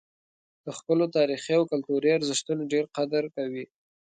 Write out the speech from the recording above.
د خپلو تاریخي او کلتوري ارزښتونو ډېر قدر کوي.